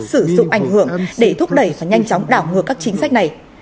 sử dụng ảnh hưởng để thúc đẩy và nhanh chóng đảo ngược các chính sách này